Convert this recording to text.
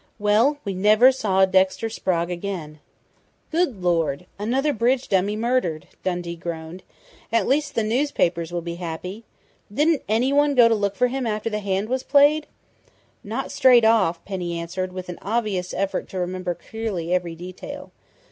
Well, we never saw Dexter Sprague again!" "Good Lord! Another bridge dummy murdered!" Dundee groaned. "At least the newspapers will be happy!... Didn't anyone go to look for him after the hand was played?" "Not straight off," Penny answered, with an obvious effort to remember clearly every detail.